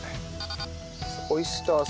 オイスターソース。